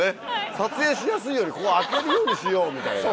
撮影しやすいようにここ開けるようにしようみたいな。